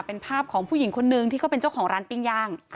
เป็นภาพของผู้หญิงคนนึงที่เขาเป็นเจ้าของร้านปิ้งย่าง